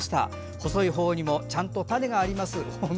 細い方にもちゃんと種があるんですよね。